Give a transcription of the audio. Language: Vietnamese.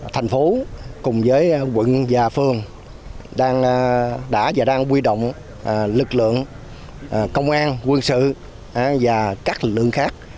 thành phố cùng với quận và phường đã và đang quy động lực lượng công an quân sự và các lực lượng khác